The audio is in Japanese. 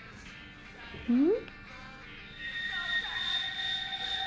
うん？